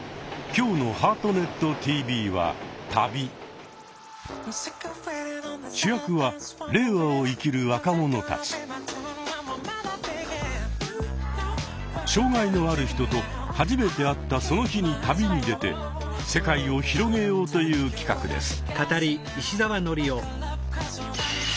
今日の「ハートネットＴＶ」は障害のある人と初めて会ったその日に旅に出て世界を広げようという企画です。